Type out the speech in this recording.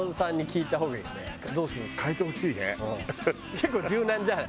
結構柔軟じゃん。